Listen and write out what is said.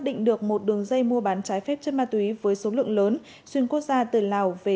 định được một đường dây mua bán trái phép chất ma túy với số lượng lớn xuyên quốc gia từ lào về